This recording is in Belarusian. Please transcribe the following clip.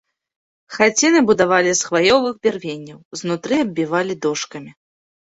Хаціны будавалі з хваёвых бярвенняў, знутры аббівалі дошкамі.